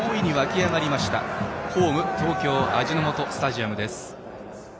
東京のホーム味の素スタジアムです。